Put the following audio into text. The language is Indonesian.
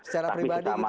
secara pribadi gitu stat